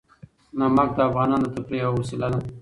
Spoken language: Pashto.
نمک د افغانانو د تفریح یوه وسیله ده.